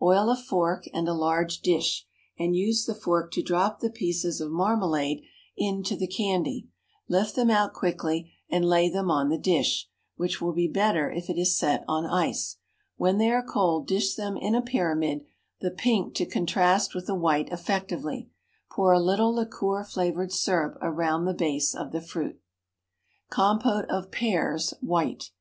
Oil a fork and a large dish, and use the fork to drop the pieces of marmalade into the candy; lift them out quickly, and lay them on the dish, which will be better if it is set on ice. When they are cold, dish them in a pyramid, the pink to contrast with the white effectively. Pour a little liqueur flavored syrup round the base of the fruit. _Compote of Pears (white).